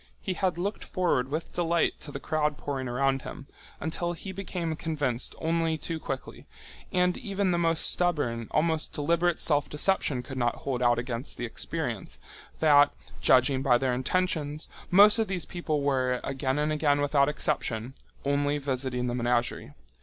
He had looked forward with delight to the crowd pouring around him, until he became convinced only too quickly—and even the most stubborn, almost deliberate self deception could not hold out against the experience—that, judging by their intentions, most of these people were, again and again without exception, only visiting the menagerie.